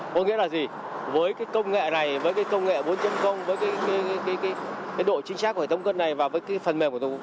có nghĩa là gì với cái công nghệ này với cái công nghệ bốn với cái độ chính xác của hệ thống cân này và với cái phần mềm của tú